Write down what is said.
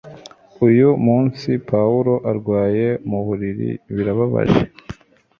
Uyu munsi Pawulo arwaye mu buriri Birababaje